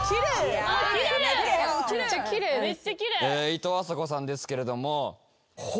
いとうあさこさんですけれども。